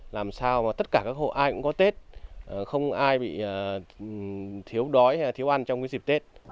làm sao mà tất cả các hộ ai cũng có tết không ai bị thiếu đói thiếu ăn trong dịp tết